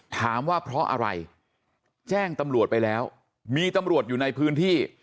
ถามว่าเพราะอะไรแจ้งตำรวจไปแล้วมีตำรวจอยู่ในพื้นที่